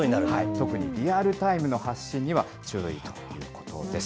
特に、リアルタイムの発信には注意ということです。